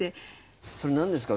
それ何ですか？